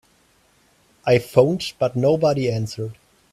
I phoned but nobody answered.